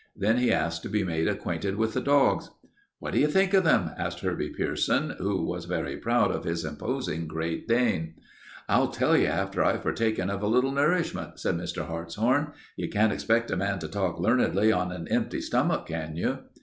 Then he asked to be made acquainted with the dogs. "What do you think of them?" asked Herbie Pierson, who was very proud of his imposing Great Dane. "I'll tell you after I've partaken of a little nourishment," said Mr. Hartshorn. "You can't expect a man to talk learnedly on an empty stomach, can you?"